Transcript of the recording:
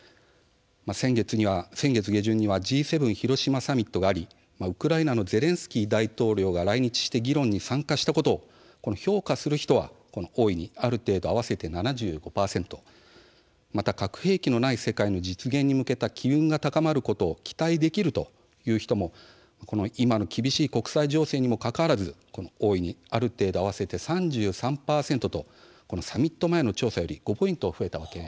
先月下旬にはＧ７広島サミットがありウクライナのゼレンスキー大統領が来日して議論に参加したことを評価する人は大いにある程度、合わせて７５％また核兵器のない世界の実現に向けた機運が高まることを期待できるという人も今の厳しい国際情勢にもかかわらず、大いに、ある程度合わせて３３％とサミット前の調査よりも５ポイント増えました。